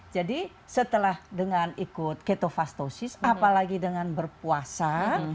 jadi setelah dengan ikut ketopastosis apalagi dengan berpuasa